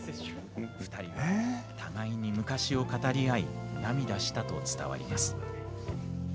２人は互いに昔を語り合い涙したと伝わります。